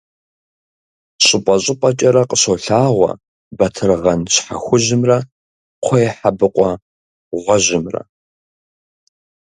Щӏыпӏэ-щӏыпӏэкӏэрэ къыщолъагъуэ батыргъэн щхьэ хужьымрэ кхъуейхьэбыкъуэ гъуэжьымрэ.